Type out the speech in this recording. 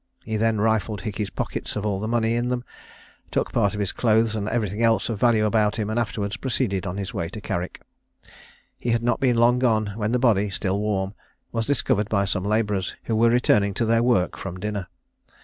He then rifled Hickey's pockets of all the money in them, took part of his clothes, and everything else of value about him, and afterwards proceeded on his way to Carrick. He had not been long gone when the body, still warm, was discovered by some labourers who were returning to their work from dinner.